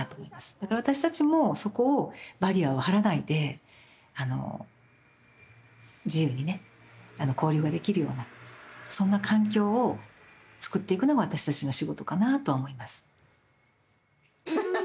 だから私たちもそこをバリアを張らないであの自由にね交流ができるようなそんな環境をつくっていくのが私たちの仕事かなとは思います。